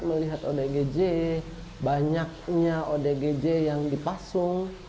melihat odgj banyaknya odgj yang dipasung